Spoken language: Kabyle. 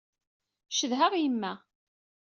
Cedheɣ yemma.